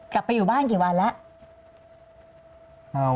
กลับไปอยู่บ้านกี่วันแล้ว